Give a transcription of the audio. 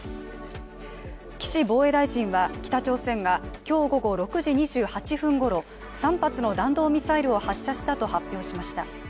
岸防衛大臣は北朝鮮が今日午後６時２８分ごろ３発の弾道ミサイルを発射したと発表しました。